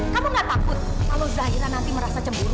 kamu gak takut kalau zahira nanti merasa cemburu